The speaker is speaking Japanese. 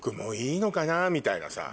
みたいなさ。